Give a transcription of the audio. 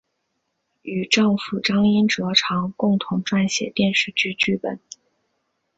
与丈夫张英哲常共同撰写电视剧剧本。